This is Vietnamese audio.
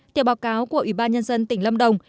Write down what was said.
theo báo cáo của ủy ban nhân dân tỉnh lâm đồng